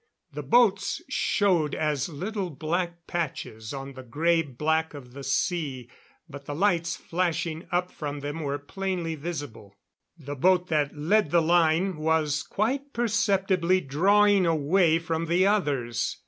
The boats showed as little black patches on the gray black of the sea, but the lights flashing up from them were plainly visible. The boat that led the line was quite perceptibly drawing away from the others.